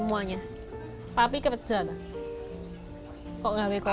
lalu datang ke sana karena dengan hak bapak quz